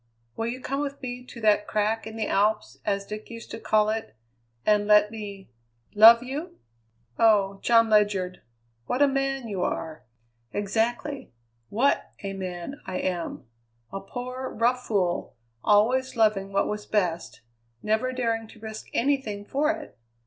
Will you come with me to that crack in the Alps, as Dick used to call it, and let me love you?" "Oh! John Ledyard! What a man you are!" "Exactly! What a man I am! A poor, rough fool, always loving what was best; never daring to risk anything for it.